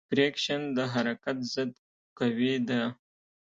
فریکشن د حرکت ضد قوې ده.